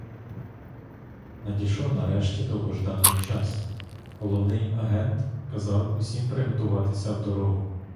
Надійшов нарешті довгожданий час, головний агент казав усім приготуватися в дорогу.